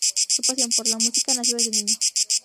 Su pasión por la música nació desde niño.